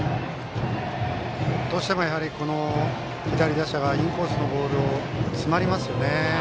どうしても、左打者はインコースのボールに詰まりますよね。